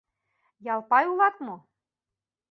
— Ялпай улат мо?